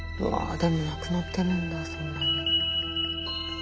うわでも亡くなってるんだそんなに。